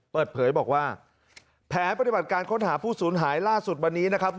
เปิดเผยบอกว่าแผนปฏิบัติการค้นหาผู้สูญหายล่าสุดวันนี้นะครับ